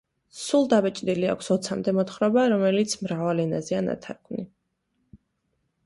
სულ დაბეჭდილი აქვს ოცამდე მოთხრობა, რომელიც მრავალ ენაზეა ნათარგმნი.